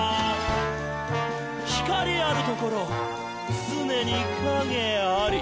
「光あるところ、つねに影あり！」